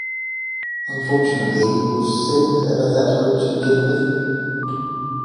Unfortunately, was "Sin" ever that good to begin with?